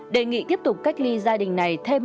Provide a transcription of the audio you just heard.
đề nghị tiếp tục cách ly gia đình này